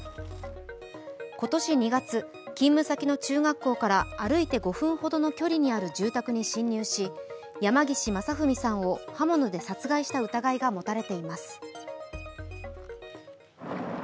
今年２月、勤務先の中学校から歩いて５分ほどの距離にある住宅に侵入し山岸正文さんを刃物で殺害した疑いが持たれています。